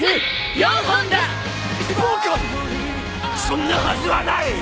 そんなはずはない！